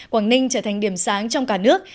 quảng ninh trở thành điểm sáng trong cả nước